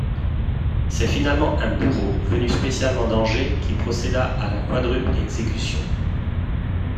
C'est finalement un bourreau venu spécialement d'Angers qui procéda à la quadruple exécution.